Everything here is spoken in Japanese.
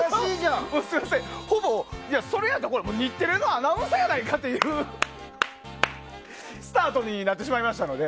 ほぼそれやったら日テレのアナウンサーやないかいっていうスタートになってしまいましたので。